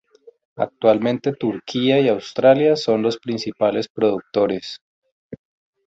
Actualmente Turquía y Australia son los principales productores.